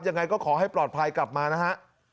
ยังไงก็ขอให้ปลอดภัยกลับมานะฮะ